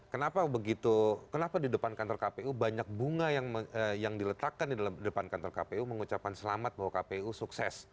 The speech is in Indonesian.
kenapa begitu kenapa di depan kantor kpu banyak bunga yang diletakkan di depan kantor kpu mengucapkan selamat bahwa kpu sukses